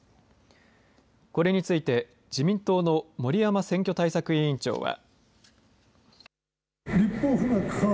これについて自民党の森山選挙対策委員長は。